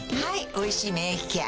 「おいしい免疫ケア」